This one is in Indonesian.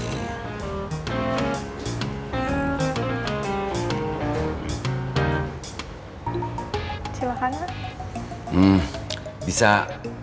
kita pilih berapa rouk